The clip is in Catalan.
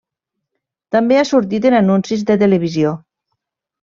També ha sortit en anuncis de televisió.